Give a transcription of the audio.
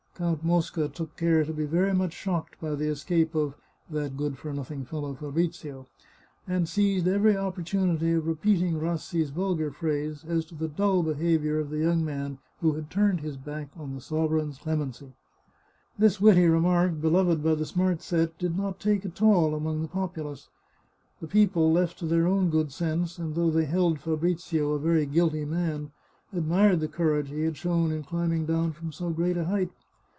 Count Mosca took care to be very much shocked by the escape of " that good for nothing fellow Fabrizio," and seized every opportunity of repeating Rassi's vulgar phrase as to the dull behaviour of the young man who had turned his back on the sovereign's clemency. This witty remark, beloved by the smart set, did not take at all among the populace. The people, left to their own good sense, and though they held Fabrizio a very guilty man, admired the courage he had shown in climbing down from so great a height.